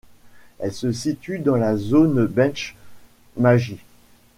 Elle se situe dans la Zone Bench Maji.